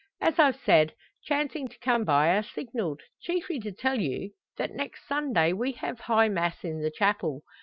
As I've said, chancing to come by I signalled chiefly to tell you, that next Sunday we have High Mass in the chapel.